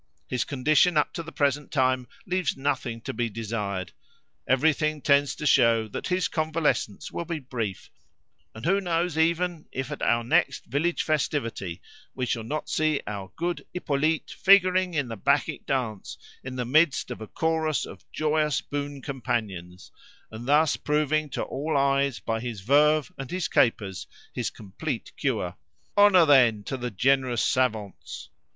His condition up to the present time leaves nothing to be desired. Everything tends to show that his convelescence will be brief; and who knows even if at our next village festivity we shall not see our good Hippolyte figuring in the bacchic dance in the midst of a chorus of joyous boon companions, and thus proving to all eyes by his verve and his capers his complete cure? Honour, then, to the generous savants!